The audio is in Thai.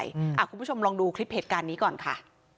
อยู่ในโลกออนไลน์คุณผู้ชมลองดูคลิปเพจการนี้ก่อนค่ะ